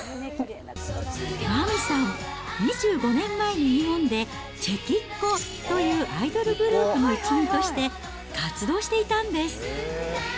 麻美さん、２５年前に日本でチェキッ娘というアイドルグループの一員として活動していたんです。